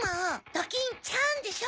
ドキン「ちゃん」でしょ！